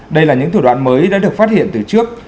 đây là những thủ đoạn mới đã được phát hiện từ trước